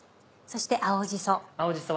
そして青じそ。